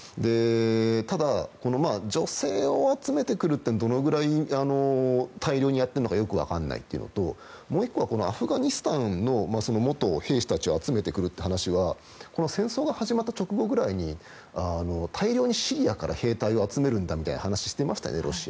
ただ、女性を集めてくるというのはどのぐらい大量にやってるのかよく分からないというのともう１個は、アフガニスタンの元兵士たちを集めてくるという話は戦争が始まった直後ぐらいに大量にシリアから兵隊を集めるんだみたいな話をしてましたよね、ロシア。